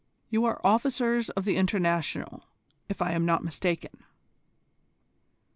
You are officers of the International, if I am not mistaken."